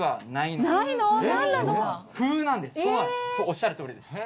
おっしゃる通りです。